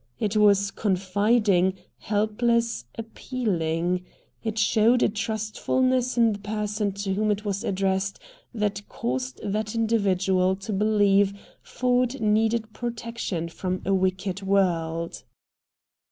It was confiding, helpless, appealing. It showed a trustfulness in the person to whom it was addressed that caused that individual to believe Ford needed protection from a wicked world.